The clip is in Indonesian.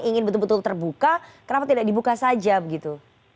ingin betul betul terbuka kenapa tidak dibuka saja begitu